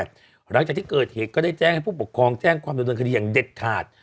หลังจากที่เกิดเหตุก็ได้แจ้งให้ผู้ปกครองแจ้งความดำเนินคดีอย่างเด็ดขาด